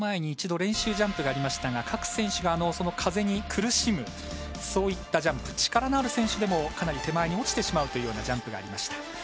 練習の様子がありましたが各選手が、その風に苦しむそういったジャンプ力のある選手でも、かなり手前に落ちてしまうというジャンプがありました。